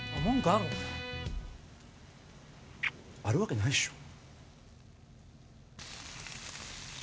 あるわけないっしょ。